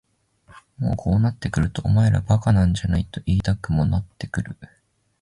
もうこうなってくるとお前ら馬鹿なんじゃないと言いたくもなってくる。